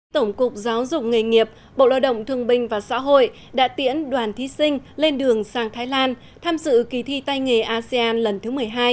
tổng cục giáo dục nghề nghiệp bộ lao động thương binh và xã hội đã tiễn đoàn thí sinh lên đường sang thái lan tham dự kỳ thi tay nghề asean lần thứ một mươi hai